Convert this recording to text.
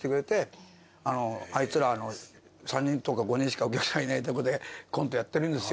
あいつら３人とか５人しかお客さんいないとこでコントやってるんですよ